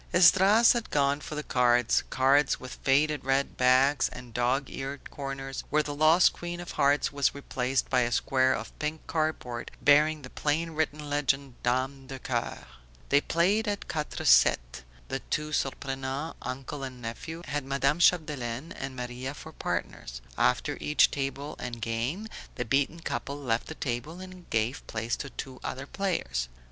Esdras had gone for the cards; cards with faded red backs and dog eared corners, where the lost queen of hearts was replaced by a square of pink cardboard bearing the plainly written legend dame de coeur. They played at quatre sept. The two Surprenants, uncle and nephew, had Madame Chapdelaine and Maria for partners; after each game the beaten couple left the table and gave place to two other players.